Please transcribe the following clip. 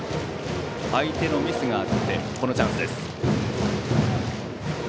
相手のミスがあってこのチャンスです。